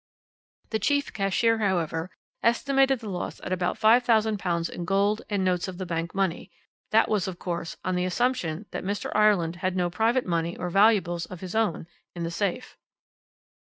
The chief cashier, however, estimated the loss at about £5000 in gold and notes of the bank money that was, of course, on the assumption that Mr. Ireland had no private money or valuables of his own in the safe.